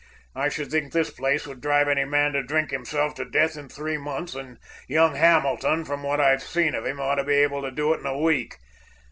I should think this place would drive any man to drink himself to death in three months, and young Hamilton, from what I've seen of him, ought to be able to do it in a week.